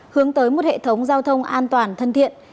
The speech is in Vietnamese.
hướng tới một hệ thống giao thông an toàn thân thiện